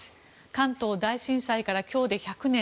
関東大震災から今日で１００年。